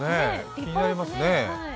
気になりますね。